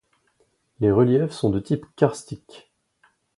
Les reliefs sont de type karstique.